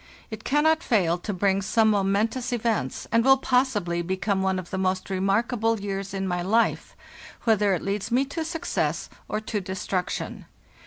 It cannot fail to bring some momentous events, and will possibly become one of the most remark able years in my life, whether it leads me to success or to destruction.